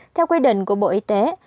theo quy định của bộ y tế